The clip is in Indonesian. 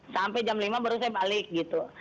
sampai jam lima baru saya balik gitu